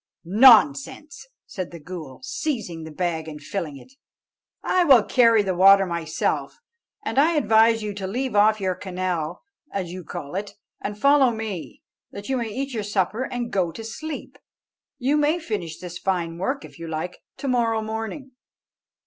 "Nonsense!" said the ghool, seizing the bag and filling it; "I will carry the water myself, and I advise you to leave off your canal, as you call it, and follow me, that you may eat your supper and go to sleep; you may finish this fine work, if you like it, to morrow morning."